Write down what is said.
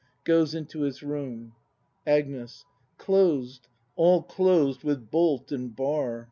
[Goes into his room. Agnes. Closed, all closed with bolt and bar!